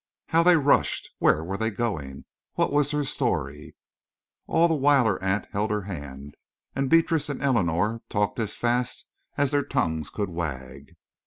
How they rushed! Where were they going? What was their story? And all the while her aunt held her hand, and Beatrice and Eleanor talked as fast as their tongues could wag.